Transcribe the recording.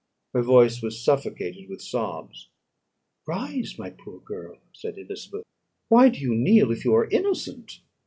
Her voice was suffocated with sobs. "Rise, my poor girl," said Elizabeth, "why do you kneel, if you are innocent?